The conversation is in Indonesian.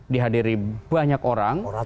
dihadiri banyak orang